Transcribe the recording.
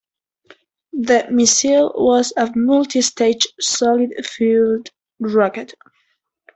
The missile was a multi-stage solid fuelled rocket.